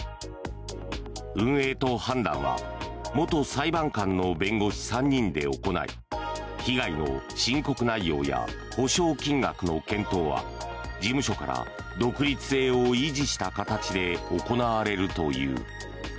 運営と判断は元裁判官の弁護士３人で行い被害の申告内容や補償金額の検討は事務所から独立性を維持した形で行われるという。